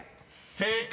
［正解。